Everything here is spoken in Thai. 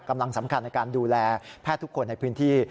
กำลังสำคัญในการดูแลแพทย์ทุกคนในพื้นที่